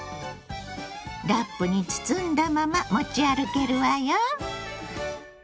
ラップに包んだまま持ち歩けるわよ。